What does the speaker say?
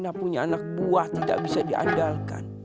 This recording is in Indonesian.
ana punya anak buah tidak bisa diadalkan